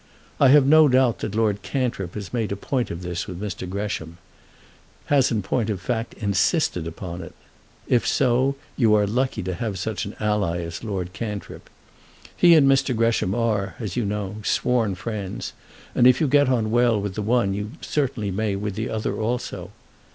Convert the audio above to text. I have no doubt that Lord Cantrip has made a point of this with Mr. Gresham; has in point of fact insisted upon it. If so, you are lucky to have such an ally as Lord Cantrip. He and Mr. Gresham are, as you know, sworn friends, and if you get on well with the one you certainly may with the other also.